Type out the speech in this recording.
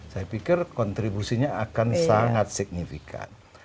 saya pikir kontribusinya akan sangat signifikan